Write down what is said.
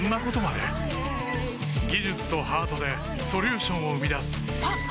技術とハートでソリューションを生み出すあっ！